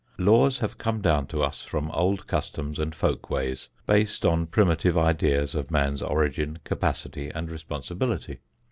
Laws have come down to us from old customs and folk ways based on primitive ideas of man's origin, capacity and responsibility.